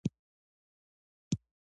زه له خپلو ملګرو سره بازۍ کوم.